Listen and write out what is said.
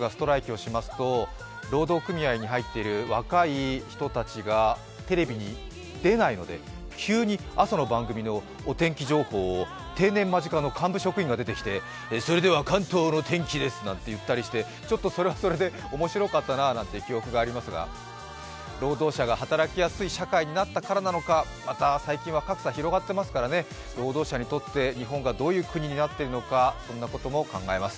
労働組合に入っている若い人たちがテレビに出ないので、急に朝の番組のお天気情報を定年間近の幹部職員が出てきて「え、それでは関東の天気です」なんて言ったりして、ちょっとそれはそれでおもしろかったなという記憶がありますが、労働者が働きやすい社会になったからなのか、また最近は格差が広がっていますからね、労働者にとって日本がどんな国になっているのか、そんなことも考えます。